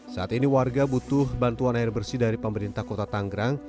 saat ini warga butuh bantuan air bersih dari pemerintah kota tanggerang